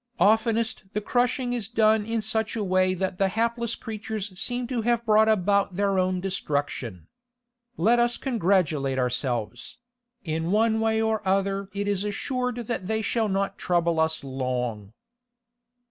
Oftenest the crushing is done in such a way that the hapless creatures seem to have brought about their own destruction. Let us congratulate ourselves; in one way or other it is assured that they shall not trouble us long.